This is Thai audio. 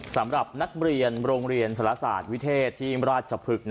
สำหรับนักเรียนโรงเรียนสารศาสตร์วิเทศที่ราชพฤกษ์